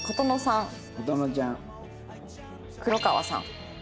「黒川さん」。